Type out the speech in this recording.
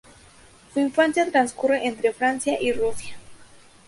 Su infancia transcurre entre Francia y Rusia.